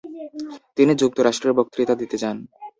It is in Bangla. তিনি যুক্তরাষ্ট্রে বক্তৃতা দিতে যান।